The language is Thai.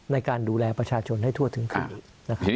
ในการดูแลประชาชนให้ทั่วถึงคืน